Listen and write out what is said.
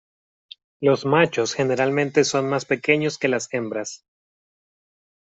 Los machos generalmente son más pequeños que las hembras.